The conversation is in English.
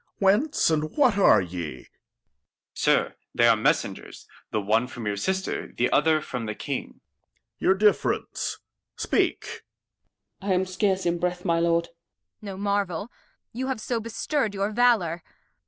Whence, and what are ye ? Att. Sir, they are Messengers, the one from your Sister, the other from the King. Duke. Your Difference ? Speak. Gent. I'm scarce in Breath, my Lord. Kent. No Marvel, you have so bestir'd your Valour.